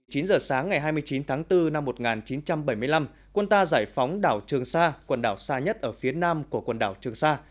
chín giờ sáng ngày hai mươi chín tháng bốn năm một nghìn chín trăm bảy mươi năm quân ta giải phóng đảo trường sa quần đảo xa nhất ở phía nam của quần đảo trường sa